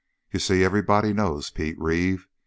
You see everybody knows Pete Reeve.